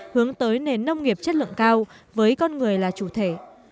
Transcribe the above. hướng tới nền nông nghiệp chất lượng cao với con người là chủ thể